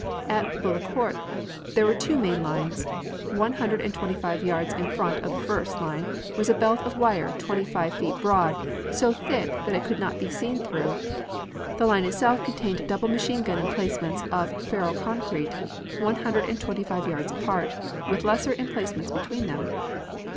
At Bullecourt there were two main lines. One hundred and twenty five yards in front of the first line was a belt of wire twenty five feet broad, so thick that it could not be seen through. The line itself contained double machine gun emplacements of ferro concrete, one hundred and twenty five yards apart, with lesser emplacements between them.